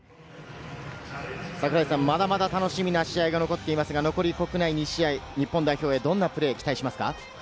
まだまだ楽しみな試合が残っていますが、残り国内２試合、日本代表へ、どんなプレーを期待しますか？